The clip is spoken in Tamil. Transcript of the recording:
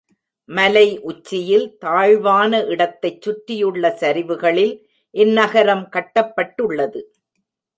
மலை உச்சியில் தாழ்வான இடத்தைச் சுற்றியுள்ள சரிவுகளில் இந்நகரம் கட்டப்பட்டுள்ளது.